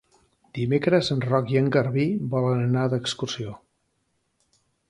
Dimecres en Roc i en Garbí volen anar d'excursió.